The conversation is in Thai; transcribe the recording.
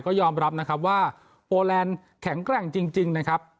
ก็ยอมรับนะครับว่าโอแลนด์แข็งแกร่งจริงนะครับ